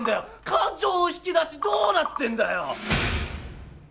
感情の引き出しどうなってんだよ！